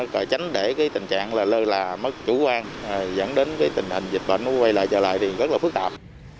còn tránh để tình trạng lơ là mất chủ quan dẫn đến tình hình dịch bệnh quay lại trở lại thì rất là phức tạp